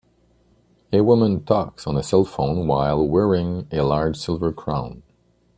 A woman talks on a cellphone while wearing a large silver crown.